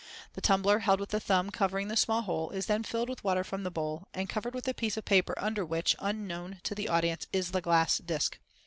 The tumbler, held with the thumb covering the small hole, is then filled with water from the bowl, and covered with the piece of paper under which, unknown to the audience, is the glass disc.